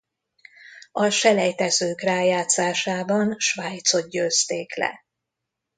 A selejtezők rájátszásában Svájcot győzték le.